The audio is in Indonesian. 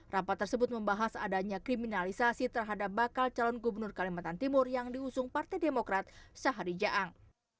rapat tersebut membahas adanya kriminalisasi terhadap bakal calon gubernur kalimantan timur yang diusung partai demokrat syahari jaang